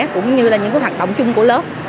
cũng như là những hoạt động chung của lớp